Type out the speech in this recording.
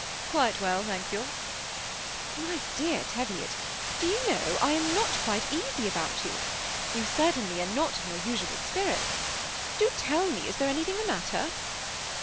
" Quite well, thank yon." " My dear Teviot, do you know I am not quite easy about you. Ton certainly are not in your usual spirits* Do tell me, is there anything the matter